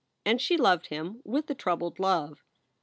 And she loved him with a troubled love.